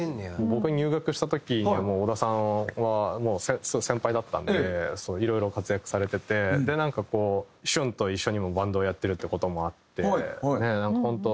僕入学した時にはもう小田さんはすごい先輩だったんでいろいろ活躍されててなんかこう駿と一緒にバンドをやってるって事もあってなんか本当